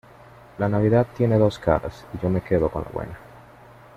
la Navidad tiene dos caras y yo me quedo con la buena